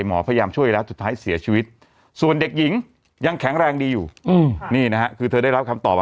หมอพยายามช่วยแล้วสุดท้ายเสียชีวิตส่วนเด็กหญิงยังแข็งแรงดีอยู่นี่นะฮะคือเธอได้รับคำตอบว่า